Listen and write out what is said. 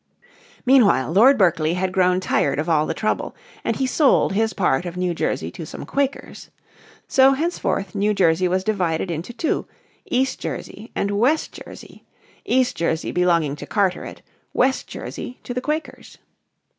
Meanwhile Lord Berkeley had grown tired of all the trouble, and he sold his part of New Jersey to some Quakers. So henceforth New Jersey was divided into two, East Jersey and West Jersey, East Jersey belonging to Carteret, West Jersey to the Quakers.